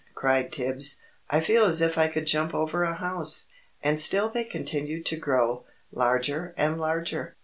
cried Tibbs. "I feel as if I could jump over a house." And still they continued to grow, larger and larger.